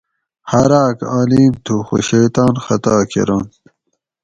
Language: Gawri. ہاۤر آک آلیم تھو خو شیطان خطا کرنت